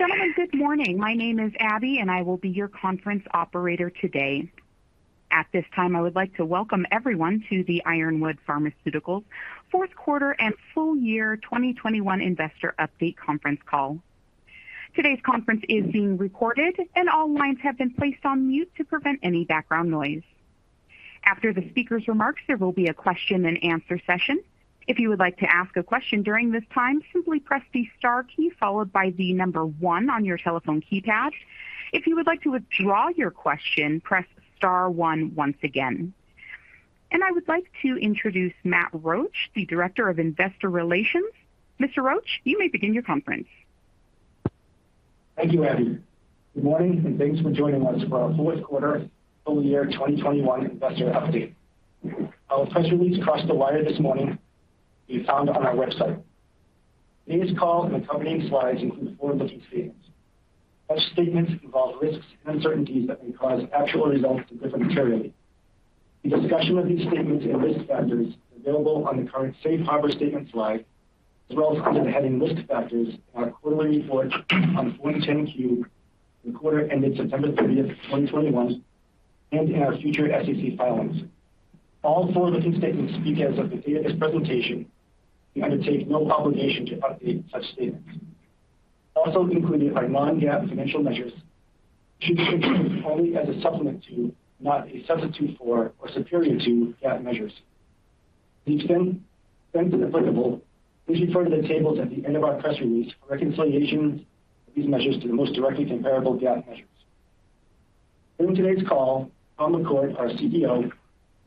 Ladies and gentlemen, good morning. My name is Abby, and I will be your conference Operator today. At this time, I would like to welcome everyone to the Ironwood Pharmaceuticals Fourth Quarter and Full Year 2021 Investor Update conference call. Today's conference is being recorded, and all lines have been placed on mute to prevent any background noise. After the speaker's remarks, there will be a question-and-answer session. If you would like to ask a question during this time, simply press the star key followed by the number one on your telephone keypad. If you would like to withdraw your question, press star one once again. I would like to introduce Matt Roache, the Director of Investor Relations. Mr. Roache, you may begin your conference. Thank you, Abby. Good morning, and thanks for joining us for our fourth quarter, full year 2021 investor update. Our press release crossed the wire this morning. You can find it on our website. Today's call and accompanying slides include forward-looking statements. Such statements involve risks and uncertainties that may cause actual results to differ materially. A discussion of these statements and risk factors is available on the current safe harbor statement slide, as well as under the heading Risk Factors in our quarterly report on Form 10-Q for the quarter ended September 30, 2021 and in our future SEC filings. All forward-looking statements speak as of the date of this presentation. We undertake no obligation to update such statements. Also included are non-GAAP financial measures, which should be considered only as a supplement to, not a substitute for or superior to, GAAP measures. Please, if applicable, please refer to the tables at the end of our press release for reconciliation of these measures to the most directly comparable GAAP measures. During today's call, Tom McCourt, our CEO, will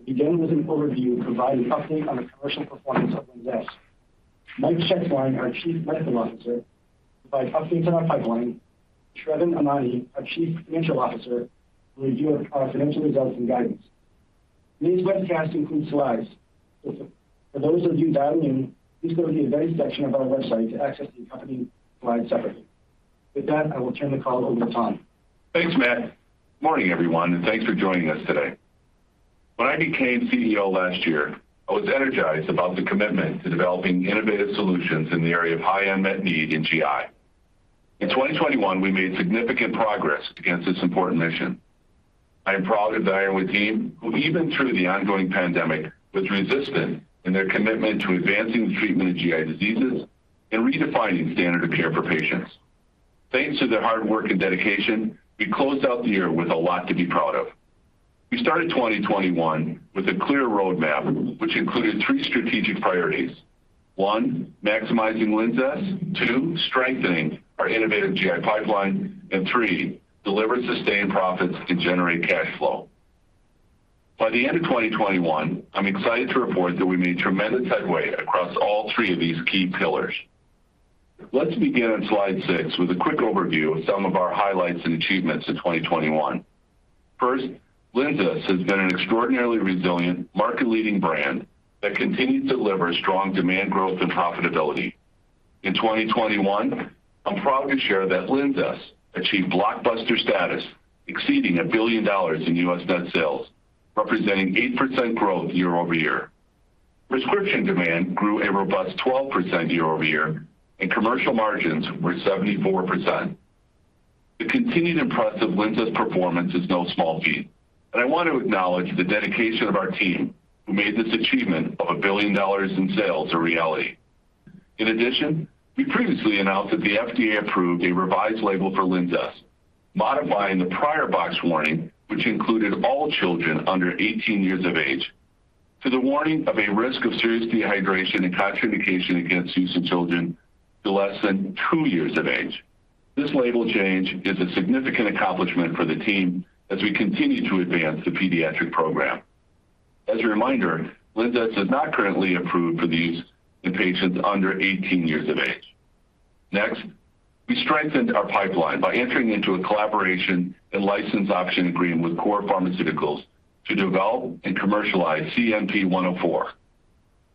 begin with an overview and provide an update on the commercial performance of LINZESS. Mike Shetzline, our Chief Medical Officer, will provide updates on our pipeline. Sravan Emany, our Chief Financial Officer, will review our financial results and guidance. Today's webcast includes slides. For those of you dialing in, please go to the Events section of our website to access the accompanying slides separately. With that, I will turn the call over to Tom. Thanks, Matt. Morning, everyone, and thanks for joining us today. When I became CEO last year, I was energized about the commitment to developing innovative solutions in the area of high unmet need in GI. In 2021, we made significant progress against this important mission. I am proud of the Ironwood team, who even through the ongoing pandemic, was resilient in their commitment to advancing the treatment of GI diseases and redefining standard of care for patients. Thanks to their hard work and dedication, we closed out the year with a lot to be proud of. We started 2021 with a clear roadmap which included three strategic priorities. One, maximizing LINZESS. Two, strengthening our innovative GI pipeline. And three, delivering sustained profits and generate cash flow. By the end of 2021, I'm excited to report that we made tremendous headway across all three of these key pillars. Let's begin on slide six with a quick overview of some of our highlights and achievements in 2021. First, LINZESS has been an extraordinarily resilient market-leading brand that continued to deliver strong demand growth and profitability. In 2021, I'm proud to share that LINZESS achieved blockbuster status, exceeding $1 billion in U.S. net sales, representing 8% growth year-over-year. Prescription demand grew a robust 12% year-over-year, and commercial margins were 74%. The continued impressive LINZESS performance is no small feat, and I want to acknowledge the dedication of our team who made this achievement of $1 billion in sales a reality. In addition, we previously announced that the FDA approved a revised label for LINZESS, modifying the prior boxed warning, which included all children under 18 years of age, to the warning of a risk of serious dehydration and contraindication against use in children less than 2 years of age. This label change is a significant accomplishment for the team as we continue to advance the pediatric program. As a reminder, LINZESS is not currently approved for use in patients under 18 years of age. Next, we strengthened our pipeline by entering into a collaboration and license option agreement with COUR Pharmaceuticals to develop and commercialize CNP-104,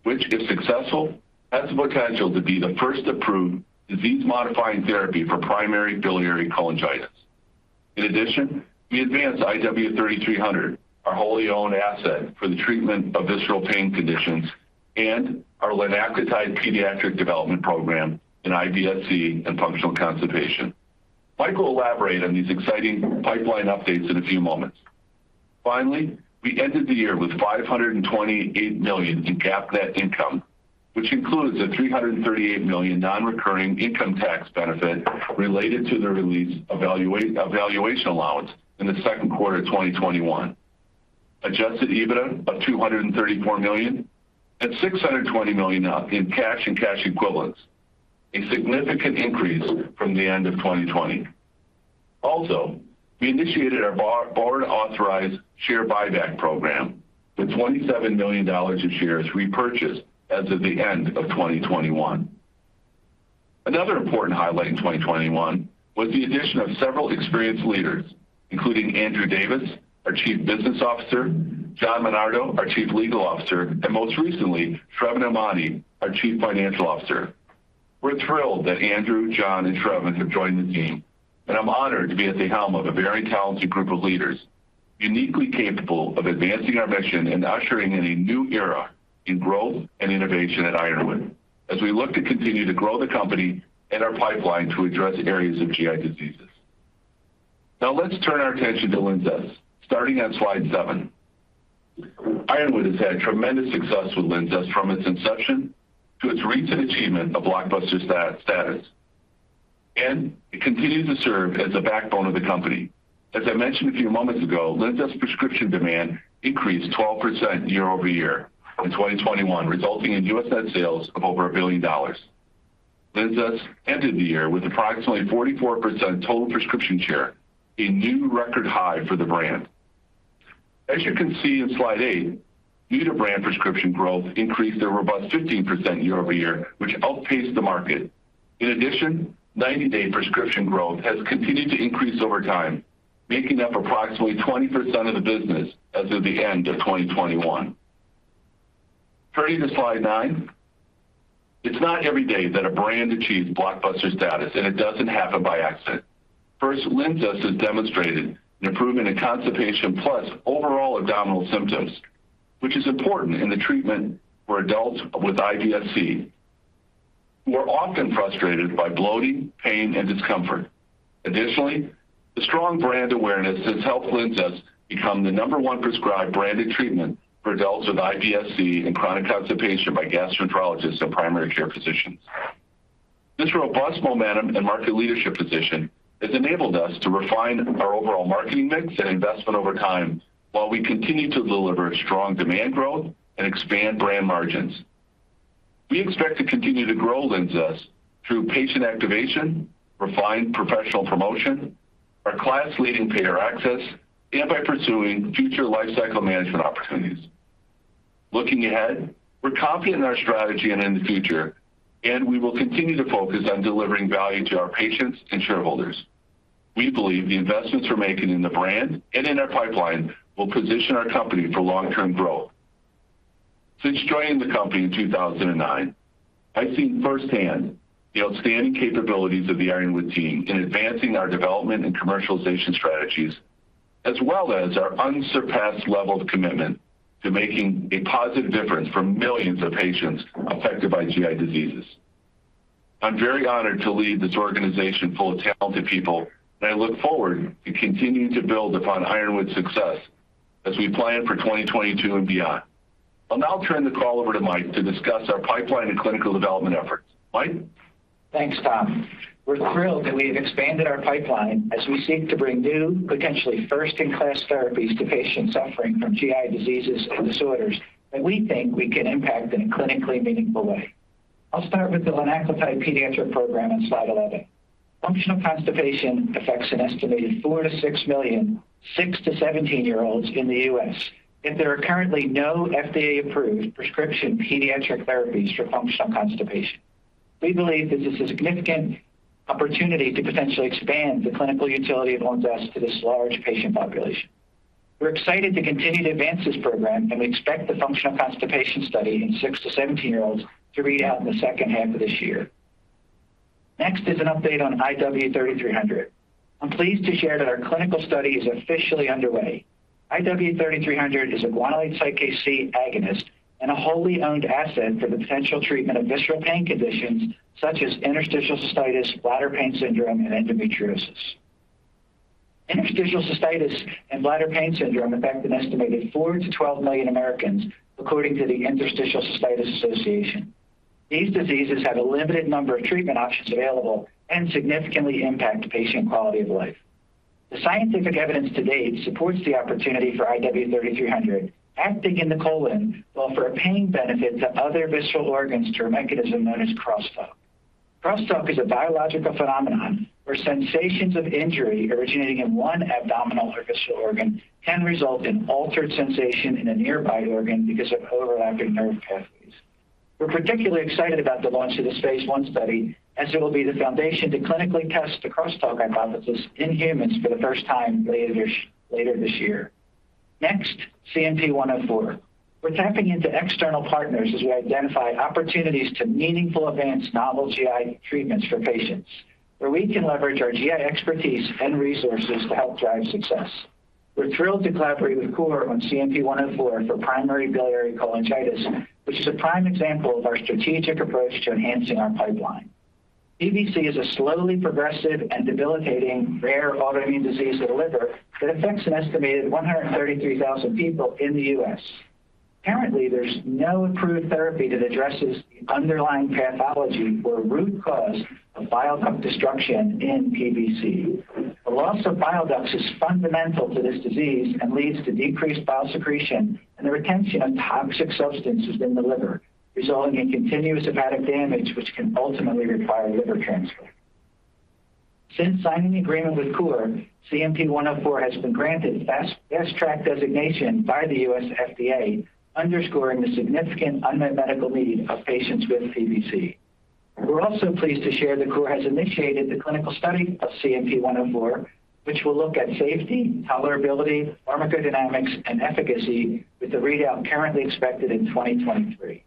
which, if successful, has the potential to be the first approved disease-modifying therapy for primary biliary cholangitis. In addition, we advanced IW-3300, our wholly owned asset for the treatment of visceral pain conditions, and our linaclotide pediatric development program in IBS-C and functional constipation. Mike will elaborate on these exciting pipeline updates in a few moments. Finally, we ended the year with $528 million in GAAP net income, which includes a $338 million non-recurring income tax benefit related to the release of valuation allowance in the second quarter of 2021. Adjusted EBITDA of $234 million and $620 million in cash and cash equivalents, a significant increase from the end of 2020. We initiated our board-authorized share buyback program with $27 million of shares repurchased as of the end of 2021. Another important highlight in 2021 was the addition of several experienced leaders, including Andrew Davis, our Chief Business Officer, John Minardo, our Chief Legal Officer, and most recently, Sravan Emany, our Chief Financial Officer. We're thrilled that Andrew, John, and Sravan have joined the team, and I'm honored to be at the helm of a very talented group of leaders. Uniquely capable of advancing our mission and ushering in a new era in growth and innovation at Ironwood as we look to continue to grow the company and our pipeline to address areas of GI diseases. Now let's turn our attention to LINZESS. Starting on slide 7. Ironwood has had tremendous success with LINZESS from its inception to its recent achievement of blockbuster status. It continues to serve as the backbone of the company. As I mentioned a few moments ago, LINZESS prescription demand increased 12% year-over-year in 2021, resulting in U.S. net sales of over $1 billion. LINZESS ended the year with approximately 44% total prescription share, a new record high for the brand. As you can see in slide 8, new to brand prescription growth increased a robust 15% year-over-year, which outpaced the market. In addition, 90-day prescription growth has continued to increase over time, making up approximately 20% of the business as of the end of 2021. Turning to slide 9. It's not every day that a brand achieves blockbuster status, and it doesn't happen by accident. First, LINZESS has demonstrated an improvement in constipation plus overall abdominal symptoms, which is important in the treatment for adults with IBS-C, who are often frustrated by bloating, pain, and discomfort. Additionally, the strong brand awareness has helped LINZESS become the number one prescribed branded treatment for adults with IBS-C and chronic constipation by gastroenterologists and primary care physicians. This robust momentum and market leadership position has enabled us to refine our overall marketing mix and investment over time while we continue to deliver strong demand growth and expand brand margins. We expect to continue to grow LINZESS through patient activation, refined professional promotion, our class-leading payer access, and by pursuing future lifecycle management opportunities. Looking ahead, we're confident in our strategy and in the future, and we will continue to focus on delivering value to our patients and shareholders. We believe the investments we're making in the brand and in our pipeline will position our company for long-term growth. Since joining the company in 2009, I've seen firsthand the outstanding capabilities of the Ironwood team in advancing our development and commercialization strategies, as well as our unsurpassed level of commitment to making a positive difference for millions of patients affected by GI diseases. I'm very honored to lead this organization full of talented people, and I look forward to continuing to build upon Ironwood's success as we plan for 2022 and beyond. I'll now turn the call over to Mike to discuss our pipeline and clinical development efforts. Mike? Thanks, Tom. We're thrilled that we have expanded our pipeline as we seek to bring new, potentially first-in-class therapies to patients suffering from GI diseases and disorders that we think we can impact in a clinically meaningful way. I'll start with the linaclotide pediatric program on slide 11. Functional constipation affects an estimated 4 million-6 million 6-17-year-olds in the U.S., and there are currently no FDA-approved prescription pediatric therapies for functional constipation. We believe that this is a significant opportunity to potentially expand the clinical utility of LINZESS to this large patient population. We're excited to continue to advance this program, and we expect the functional constipation study in 6-17-year-olds to read out in the second half of this year. Next is an update on IW-3300. I'm pleased to share that our clinical study is officially underway. IW-3300 is a guanylate cyclase-C agonist and a wholly owned asset for the potential treatment of visceral pain conditions such as interstitial cystitis, bladder pain syndrome, and endometriosis. Interstitial cystitis and bladder pain syndrome affect an estimated 4 million-12 million Americans, according to the Interstitial Cystitis Association. These diseases have a limited number of treatment options available and significantly impact patient quality of life. The scientific evidence to date supports the opportunity for IW-3300, acting in the colon to provide a pain benefit to other visceral organs through a mechanism known as crosstalk. Crosstalk is a biological phenomenon where sensations of injury originating in one abdominal or visceral organ can result in altered sensation in a nearby organ because of overlapping nerve pathways. We're particularly excited about the launch of this phase I study, as it will be the foundation to clinically test the crosstalk hypothesis in humans for the first time later this year. Next, CNP-104. We're tapping into external partners as we identify opportunities to meaningfully advance novel GI treatments for patients where we can leverage our GI expertise and resources to help drive success. We're thrilled to collaborate with COUR on CNP-104 for primary biliary cholangitis, which is a prime example of our strategic approach to enhancing our pipeline. PBC is a slowly progressive and debilitating rare autoimmune disease of the liver that affects an estimated 133,000 people in the U.S. Currently, there's no approved therapy that addresses the underlying pathology or root cause of bile duct destruction in PBC. The loss of bile ducts is fundamental to this disease and leads to decreased bile secretion and the retention of toxic substances in the liver, resulting in continuous hepatic damage which can ultimately require liver transplant. Since signing the agreement with COUR, CNP-104 has been granted Fast Track designation by the U.S. FDA, underscoring the significant unmet medical need of patients with PBC. We're also pleased to share that COUR has initiated the clinical study of CNP-104, which will look at safety, tolerability, pharmacodynamics, and efficacy, with the readout currently expected in 2023.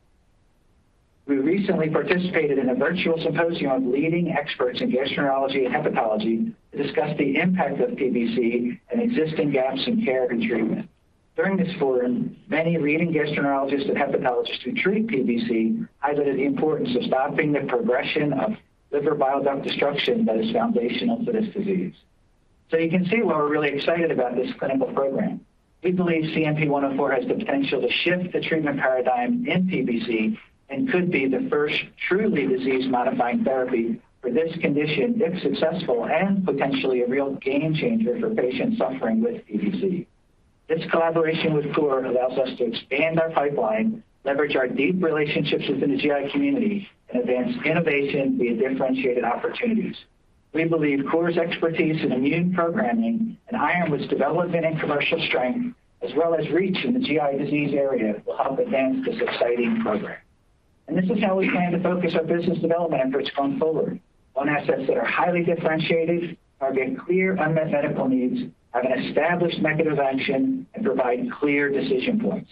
We recently participated in a virtual symposium of leading experts in gastroenterology and hepatology to discuss the impact of PBC and existing gaps in care and treatment. During this forum, many leading gastroenterologists and hepatologists who treat PBC highlighted the importance of stopping the progression of liver bile duct destruction that is foundational to this disease. You can see why we're really excited about this clinical program. We believe CNP-104 has the potential to shift the treatment paradigm in PBC and could be the first truly disease-modifying therapy for this condition if successful, and potentially a real game changer for patients suffering with PBC. This collaboration with COUR allows us to expand our pipeline, leverage our deep relationships within the GI community, and advance innovation via differentiated opportunities. We believe COUR's expertise in immune programming and Ironwood's development and commercial strength, as well as reach in the GI disease area, will help advance this exciting program. This is how we plan to focus our business development efforts going forward. On assets that are highly differentiated, target clear unmet medical needs, have an established mechanism of action, and provide clear decision points.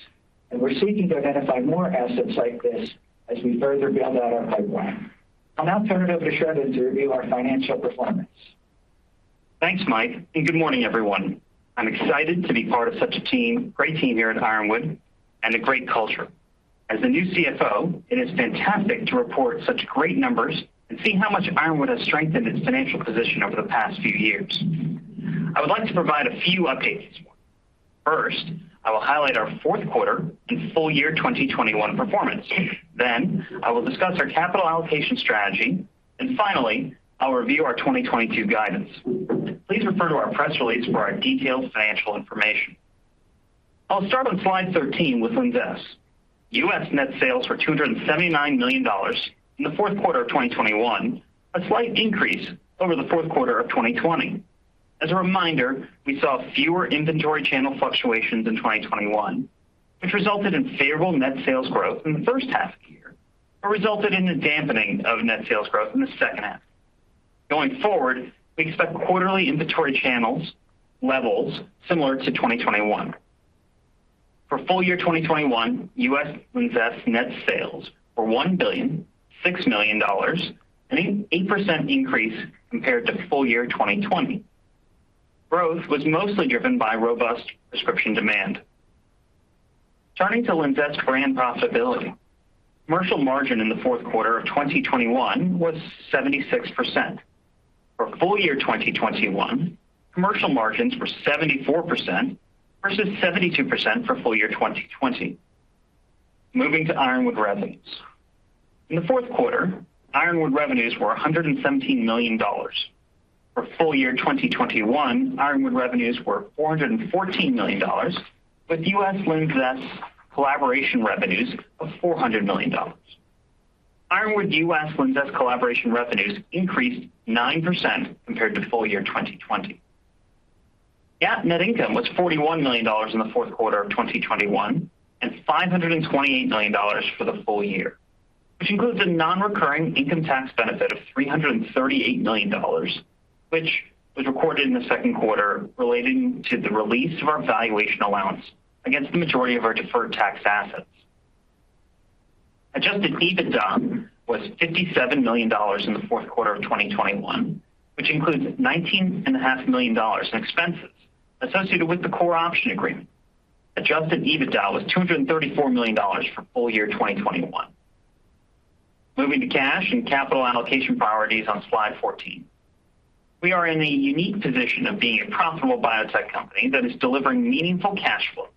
We're seeking to identify more assets like this as we further build out our pipeline. I'll now turn it over to Sravan to review our financial performance. Thanks, Mike, and good morning, everyone. I'm excited to be part of such a team, great team here at Ironwood, and a great culture. As the new CFO, it is fantastic to report such great numbers and see how much Ironwood has strengthened its financial position over the past few years. I would like to provide a few updates this morning. First, I will highlight our fourth quarter and full year 2021 performance. Then I will discuss our capital allocation strategy. Finally, I'll review our 2022 guidance. Please refer to our press release for our detailed financial information. I'll start on slide 13 with LINZESS. U.S. net sales for $279 million in the fourth quarter of 2021, a slight increase over the fourth quarter of 2020. As a reminder, we saw fewer inventory channel fluctuations in 2021, which resulted in favorable net sales growth in the first half of the year, but resulted in a dampening of net sales growth in the second half. Going forward, we expect quarterly inventory channel levels similar to 2021. For full year 2021, U.S. LINZESS net sales were $1,006 million, an 8% increase compared to full year 2020. Growth was mostly driven by robust prescription demand. Turning to LINZESS brand profitability. Commercial margin in the fourth quarter of 2021 was 76%. For full year 2021, commercial margins were 74% versus 72% for full year 2020. Moving to Ironwood revenues. In the fourth quarter, Ironwood revenues were $117 million. For full year 2021, Ironwood revenues were $414 million, with U.S. LINZESS collaboration revenues of $400 million. Ironwood U.S. LINZESS collaboration revenues increased 9% compared to full year 2020. GAAP net income was $41 million in the fourth quarter of 2021 and $528 million for the full year, which includes a non-recurring income tax benefit of $338 million, which was recorded in the second quarter relating to the release of our valuation allowance against the majority of our deferred tax assets. Adjusted EBITDA was $57 million in the fourth quarter of 2021, which includes $19.5 million in expenses associated with the COUR option agreement. Adjusted EBITDA was $234 million for full year 2021. Moving to cash and capital allocation priorities on slide 14. We are in the unique position of being a profitable biotech company that is delivering meaningful cash flow.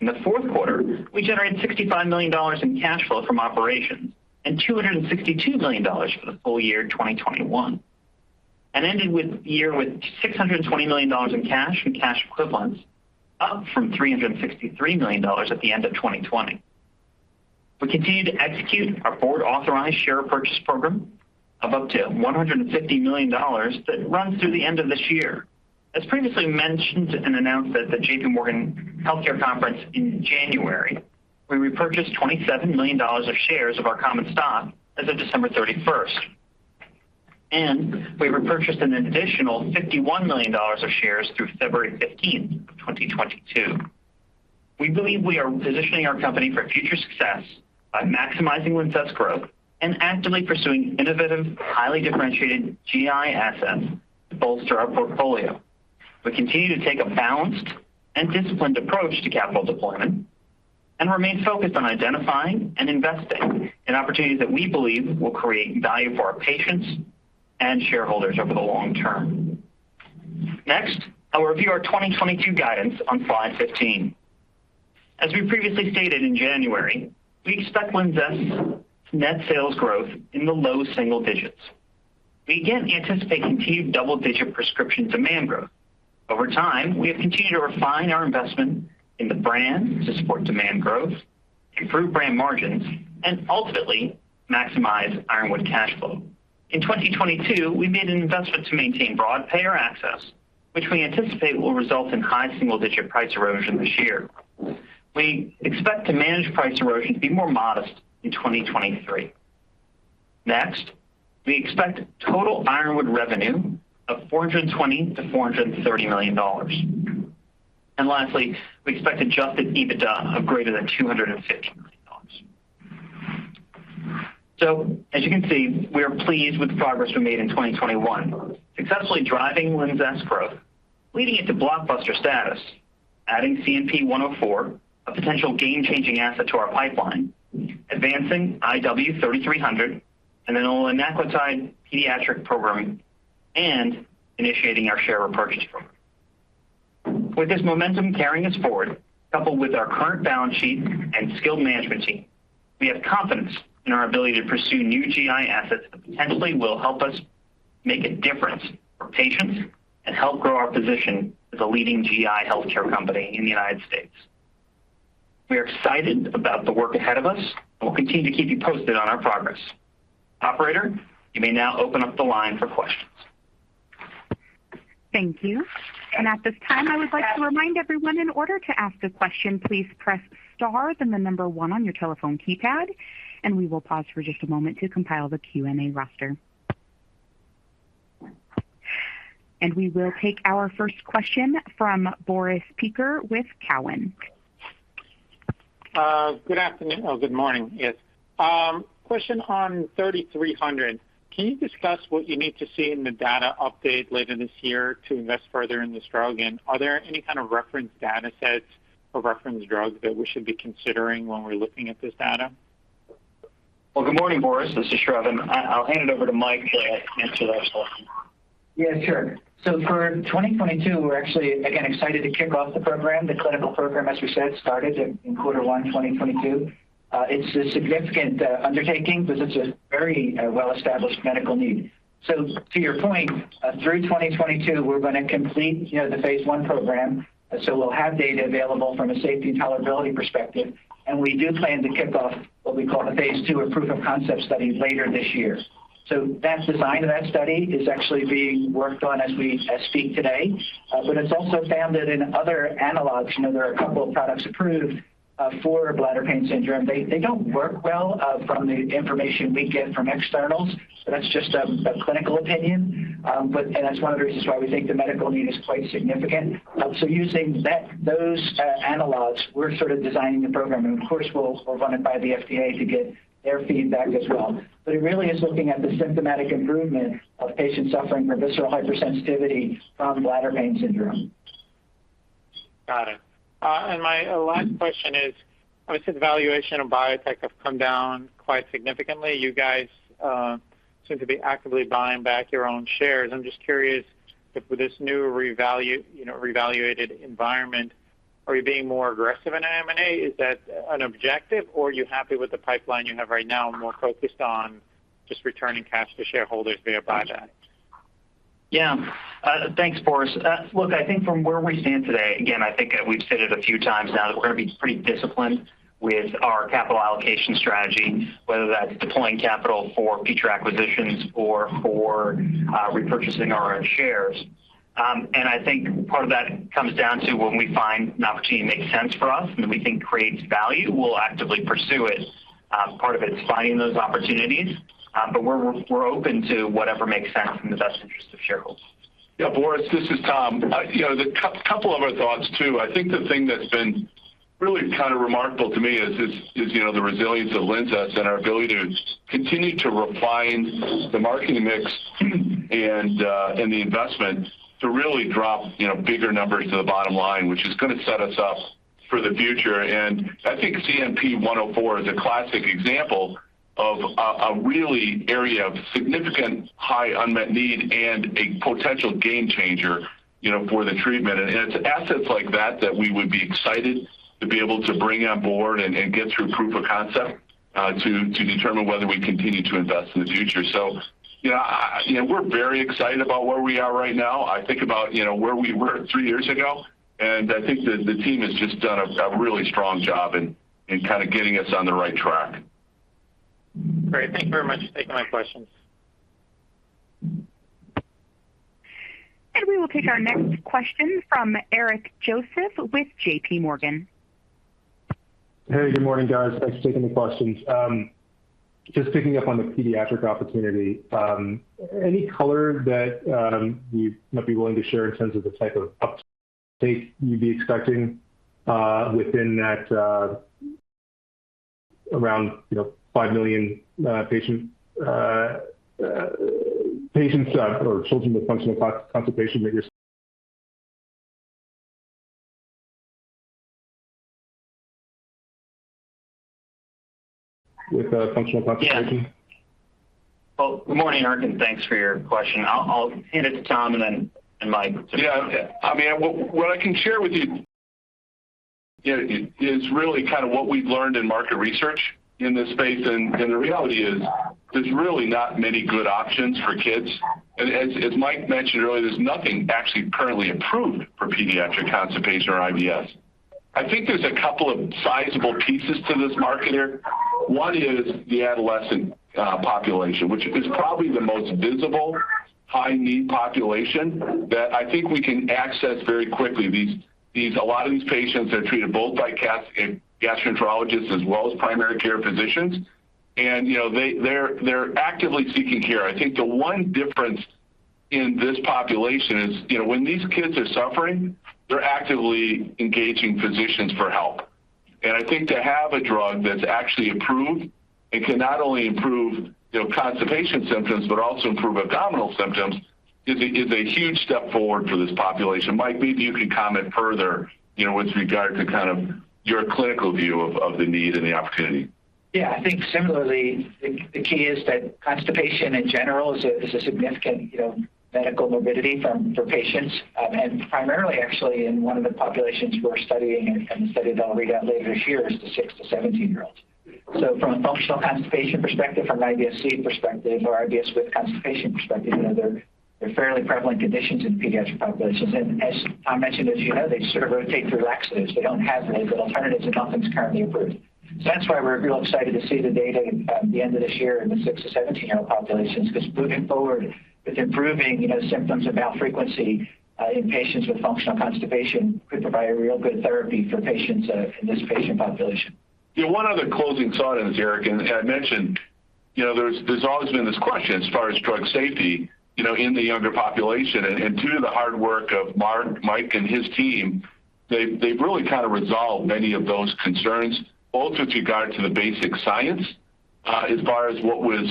In the fourth quarter, we generated $65 million in cash flow from operations and $262 million for the full year 2021, and ended the year with $620 million in cash and cash equivalents, up from $363 million at the end of 2020. We continue to execute our board-authorized share purchase program of up to $150 million that runs through the end of this year. As previously mentioned and announced at the JPMorgan Healthcare Conference in January, we repurchased $27 million of shares of our common stock as of December 31, and we repurchased an additional $51 million of shares through February 15, 2022. We believe we are positioning our company for future success by maximizing LINZESS growth and actively pursuing innovative, highly differentiated GI assets to bolster our portfolio. We continue to take a balanced and disciplined approach to capital deployment and remain focused on identifying and investing in opportunities that we believe will create value for our patients and shareholders over the long term. Next, I'll review our 2022 guidance on slide 15. As we previously stated in January, we expect LINZESS net sales growth in the low single digits. We again anticipate continued double-digit prescription demand growth. Over time, we have continued to refine our investment in the brand to support demand growth, improve brand margins, and ultimately maximize Ironwood cash flow. In 2022, we made an investment to maintain broad payer access, which we anticipate will result in high single-digit price erosion this year. We expect to manage price erosion to be more modest in 2023. Next, we expect total Ironwood revenue of $420 million-$430 million. Lastly, we expect adjusted EBITDA of greater than $250 million. As you can see, we are pleased with the progress we made in 2021. Successfully driving LINZESS growth, leading it to blockbuster status, adding CNP-104, a potential game-changing asset to our pipeline, advancing IW-3300, a linaclotide pediatric program, and initiating our share repurchase program. With this momentum carrying us forward, coupled with our current balance sheet and skilled management team, we have confidence in our ability to pursue new GI assets that potentially will help us make a difference for patients and help grow our position as a leading GI healthcare company in the United States. We are excited about the work ahead of us, and we'll continue to keep you posted on our progress. Operator, you may now open up the line for questions. Thank you. At this time, I would like to remind everyone in order to ask a question, please press star then the number one on your telephone keypad, and we will pause for just a moment to compile the Q&A roster. We will take our first question from Boris Peaker with Cowen. Good morning. Question on IW-3300. Can you discuss what you need to see in the data update later this year to invest further in this drug? Are there any kind of reference data sets or reference drugs that we should be considering when we're looking at this data? Well, good morning, Boris. This is Sravan. I'll hand it over to Mike to answer that question. Yeah, sure. For 2022, we're actually, again, excited to kick off the program. The clinical program, as we said, started in quarter one 2022. It's a significant undertaking because it's a very well-established medical need. To your point, through 2022, we're gonna complete, you know, the phase I program, so we'll have data available from a safety and tolerability perspective. We do plan to kick off what we call the phase II or proof of concept study later this year. That design of that study is actually being worked on as we speak today. It's also found that in other analogs, you know, there are a couple of products approved for bladder pain syndrome. They don't work well from the information we get from externals, but that's just a clinical opinion. That's one of the reasons why we think the medical need is quite significant. Using those analogs, we're sort of designing the program. Of course, we'll run it by the FDA to get their feedback as well. It really is looking at the symptomatic improvement of patients suffering from visceral hypersensitivity from bladder pain syndrome. Got it. My last question is, obviously, the valuation of biotech has come down quite significantly. You guys seem to be actively buying back your own shares. I'm just curious if with this new re-evaluated environment, are you being more aggressive in M&A? Is that an objective, or are you happy with the pipeline you have right now and more focused on just returning cash to shareholders via buyback? Yeah. Thanks, Boris. Look, I think from where we stand today, again, I think we've said it a few times now that we're gonna be pretty disciplined with our capital allocation strategy, whether that's deploying capital for future acquisitions or for repurchasing our own shares. I think part of that comes down to when we find an opportunity that makes sense for us and that we think creates value, we'll actively pursue it. Part of it is finding those opportunities, but we're open to whatever makes sense in the best interest of shareholders. Yeah. Boris, this is Tom. You know, the couple of our thoughts, too. I think the thing that's been really kind of remarkable to me is, you know, the resilience of LINZESS and our ability to continue to refine the marketing mix and the investment to really drive, you know, bigger numbers to the bottom line, which is gonna set us up for the future. I think CNP-104 is a classic example of a real area of significant high unmet need and a potential game changer, you know, for the treatment. It's assets like that that we would be excited to be able to bring on board and get through proof of concept, to determine whether we continue to invest in the future. You know, you know, we're very excited about where we are right now. I think about, you know, where we were three years ago, and I think the team has just done a really strong job in kind of getting us on the right track. Great. Thank you very much for taking my questions. We will take our next question from Eric Joseph with JPMorgan. Hey, good morning, guys. Thanks for taking the questions. Just picking up on the pediatric opportunity. Any color that you might be willing to share in terms of the type of uptake you'd be expecting, within that, around, you know, 5 million patients or children with functional constipation? Well, good morning, Eric, and thanks for your question. I'll hand it to Tom and Mike. I mean, what I can share with you know, is really kind of what we've learned in market research in this space. The reality is there's really not many good options for kids. As Mike mentioned earlier, there's nothing actually currently approved for pediatric constipation or IBS. I think there's a couple of sizable pieces to this market here. One is the adolescent population, which is probably the most visible high-need population that I think we can access very quickly. A lot of these patients are treated both by gastroenterologists as well as primary care physicians. You know, they're actively seeking care. I think the one difference in this population is, you know, when these kids are suffering, they're actively engaging physicians for help. I think to have a drug that's actually approved and can not only improve, you know, constipation symptoms but also improve abdominal symptoms is a huge step forward for this population. Mike, maybe you can comment further, you know, with regard to kind of your clinical view of the need and the opportunity. Yeah. I think similarly, the key is that constipation in general is a significant, you know, medical morbidity for patients. Primarily actually in one of the populations we're studying and studied all the way down later years to 6-7-year-olds. From a functional constipation perspective, from an IBS-C perspective or IBS with constipation perspective, you know, they're fairly prevalent conditions in pediatric populations. As Tom mentioned, as you know, they sort of rotate through laxatives. They don't have real good alternatives, and nothing's currently approved. That's why we're real excited to see the data at the end of this year in the 6-17-year-old populations 'cause moving forward with improving, you know, symptoms of bowel frequency, in patients with functional constipation could provide a real good therapy for patients, in this patient population. Yeah. One other closing thought on this, Eric, and I mentioned, you know, there's always been this question as far as drug safety, you know, in the younger population. Due to the hard work of Mike and his team, they've really kind of resolved many of those concerns, both with regard to the basic science, as far as what was,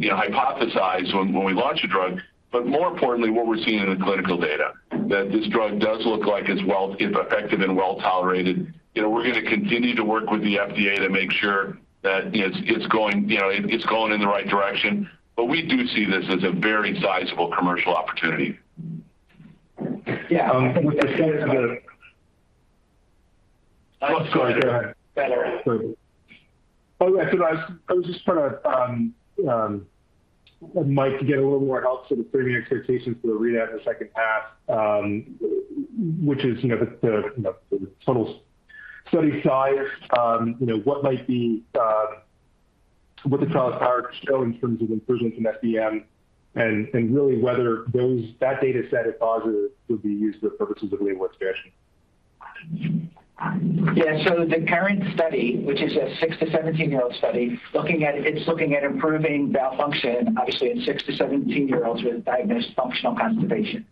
you know, hypothesized when we launched the drug. More importantly, what we're seeing in the clinical data that this drug does look like it's effective and well-tolerated. You know, we're gonna continue to work with the FDA to make sure that, you know, it's going, you know, it's going in the right direction. We do see this as a very sizable commercial opportunity. Yeah. I think with the Oh, go ahead, Eric. Better. Sure. Oh, I thought I was just trying to, Mike, to get a little more help sort of framing expectations for the readout in the second half, which is, you know, the total study size. You know, what might be, what the trial is powered to show in terms of improvements in SBM and really whether that data set if positive would be used for the purposes of label expansion. The current study, which is a 6-17-year-old study, looking at improving bowel function obviously in 6-17-year-olds with diagnosed functional constipation.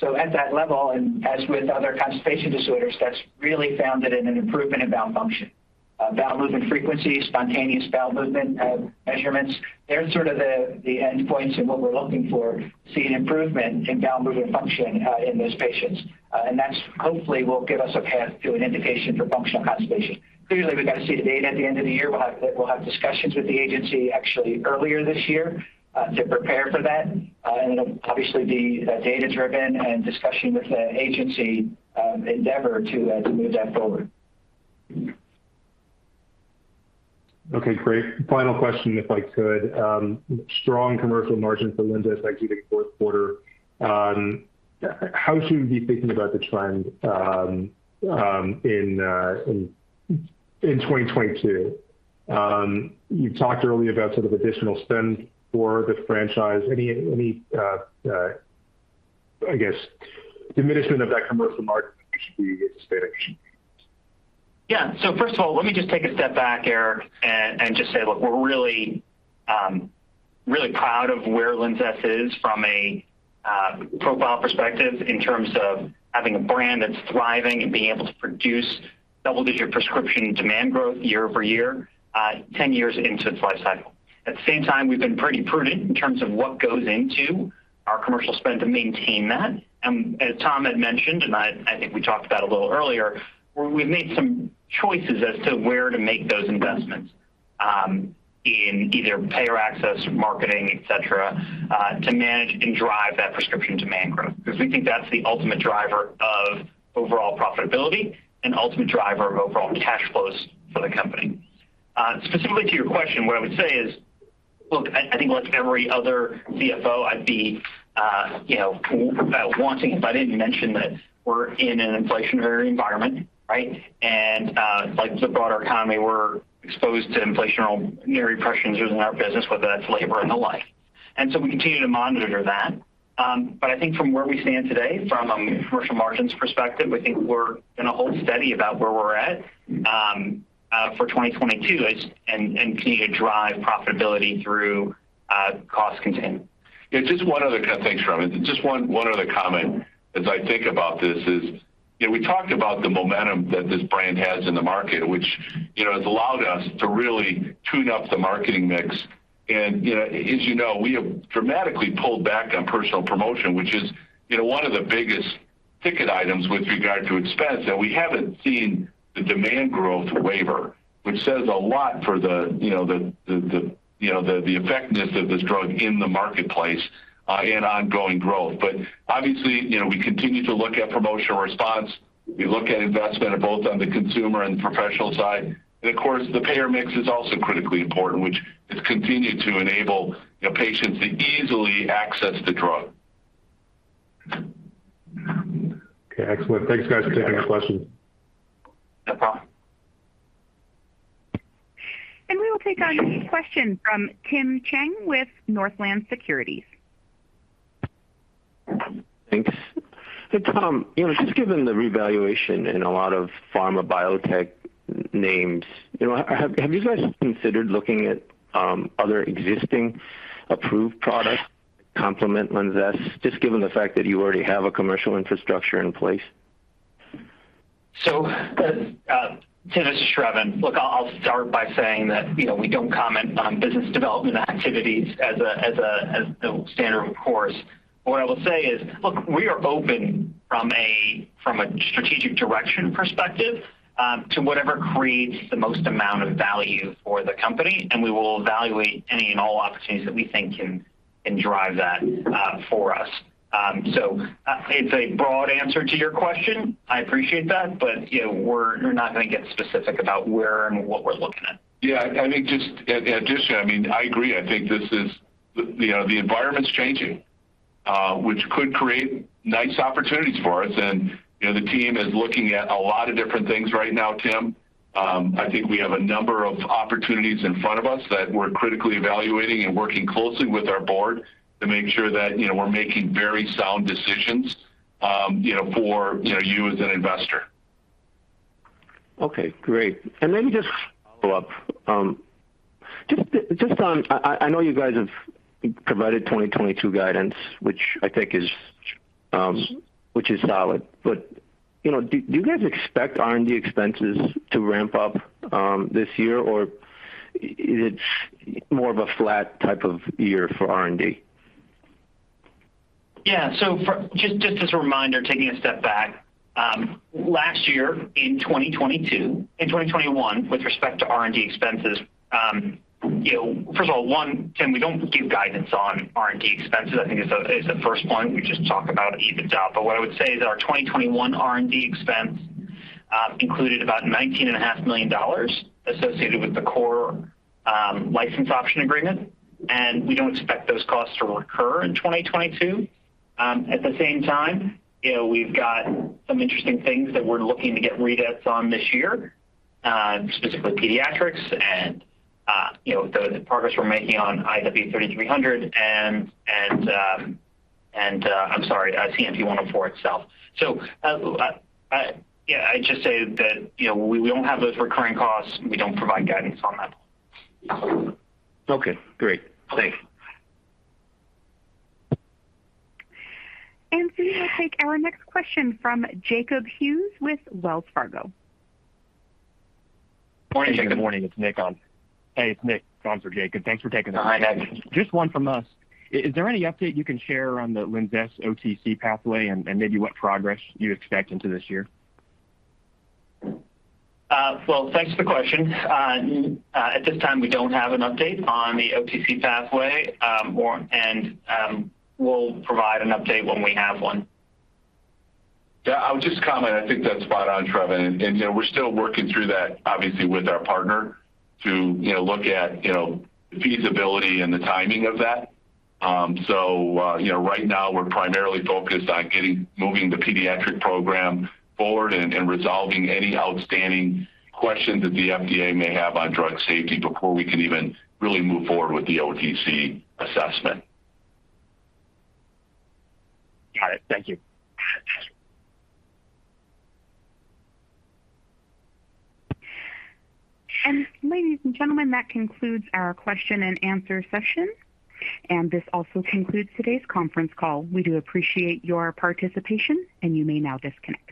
At that level, and as with other constipation disorders, that's really founded in an improvement in bowel function. Bowel movement frequency, spontaneous bowel movement measurements. They're sort of the endpoints in what we're looking for to see an improvement in bowel movement function in those patients. And that's hopefully will give us a path to an indication for functional constipation. Clearly, we've got to see the data at the end of the year. We'll have discussions with the agency actually earlier this year to prepare for that. And it'll obviously be data-driven and discussion with the agency, endeavor to move that forward. Okay. Great. Final question, if I could. Strong commercial margin for LINZESS that you did in the fourth quarter. How should we be thinking about the trend in 2022? You talked earlier about sort of additional spend for the franchise. Any diminishment of that commercial margin we should be anticipating? Yeah. First of all, let me just take a step back, Eric, and just say, look, we're really proud of where LINZESS is from a profile perspective in terms of having a brand that's thriving and being able to produce double-digit prescription demand growth year-over-year, 10 years into its life cycle. At the same time, we've been pretty prudent in terms of what goes into our commercial spend to maintain that. As Tom had mentioned, and I think we talked about a little earlier, we've made some choices as to where to make those investments in either payer access, marketing, et cetera to manage and drive that prescription demand growth. 'Cause we think that's the ultimate driver of overall profitability and ultimate driver of overall cash flows for the company. Specifically to your question, what I would say is, look, I think like every other CFO, I'd be wanting if I didn't mention that we're in an inflationary environment, right? Like the broader economy, we're exposed to inflationary pressures within our business, whether that's labor and the like. We continue to monitor that. But I think from where we stand today, from a commercial margin perspective, we think we're gonna hold steady about where we're at for 2022 and continue to drive profitability through cost containment. Thanks, Sravan. Just one other comment as I think about this is, you know, we talked about the momentum that this brand has in the market, which, you know, has allowed us to really tune up the marketing mix. You know, as you know, we have dramatically pulled back on personal promotion, which is, you know, one of the biggest ticket items with regard to expense, and we haven't seen the demand growth waver, which says a lot for the, you know, the effectiveness of this drug in the marketplace, and ongoing growth. Obviously, you know, we continue to look at promotional response. We look at investment both on the consumer and professional side. Of course, the payer mix is also critically important, which has continued to enable, you know, patients to easily access the drug. Okay. Excellent. Thanks, guys, for taking the question. No problem. We'll take our next question from Tim Chang with Northland Securities. Thanks. Hey, Tom, you know, just given the revaluation in a lot of pharma biotech names, you know, have you guys considered looking at other existing approved products to complement LINZESS, just given the fact that you already have a commercial infrastructure in place? Tim, this is Sravan. Look, I'll start by saying that, you know, we don't comment on business development activities as the standard course. What I will say is, look, we are open from a strategic direction perspective to whatever creates the most amount of value for the company, and we will evaluate any and all opportunities that we think can drive that for us. It's a broad answer to your question. I appreciate that. You know, we're not gonna get specific about where and what we're looking at. Yeah. I think just in addition, I mean, I agree. I think this is, you know, the environment's changing, which could create nice opportunities for us. You know, the team is looking at a lot of different things right now, Tim. I think we have a number of opportunities in front of us that we're critically evaluating and working closely with our board to make sure that, you know, we're making very sound decisions, you know, for, you know, you as an investor. Okay, great. Let me just follow up. Just on, I know you guys have provided 2022 guidance, which I think is, which is solid. You know, do you guys expect R&D expenses to ramp up this year, or it's more of a flat type of year for R&D? Just as a reminder, taking a step back. Last year in 2021, with respect to R&D expenses, you know, first of all, one, Tim, we don't give guidance on R&D expenses. I think it's the first point. We just talk about EBITDA. What I would say is our 2021 R&D expense included about $19.5 million associated with the COUR license option agreement, and we don't expect those costs to recur in 2022. At the same time, you know, we've got some interesting things that we're looking to get readouts on this year, specifically pediatrics and, you know, the progress we're making on IW-3300 and CNP-104 itself. Yeah, I'd just say that, you know, we don't have those recurring costs. We don't provide guidance on that. Okay, great. Thanks. We will take our next question from Jacob Hughes with Wells Fargo. Morning, Jacob. Hey, good morning. It's Nick on. Hey, it's Nick on for Jacob. Thanks for taking this. Hi, Nick. Just one from us. Is there any update you can share on the LINZESS OTC pathway and maybe what progress you expect into this year? Well, thanks for the question. At this time, we don't have an update on the OTC pathway. We'll provide an update when we have one. Yeah. I would just comment. I think that's spot on, Sravan. You know, we're still working through that obviously with our partner to, you know, look at, you know, feasibility and the timing of that. So, you know, right now we're primarily focused on moving the pediatric program forward and resolving any outstanding questions that the FDA may have on drug safety before we can even really move forward with the OTC assessment. Got it. Thank you. Ladies and gentlemen, that concludes our question-and-answer session, and this also concludes today's conference call. We do appreciate your participation, and you may now disconnect.